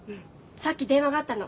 さっき電話があったの。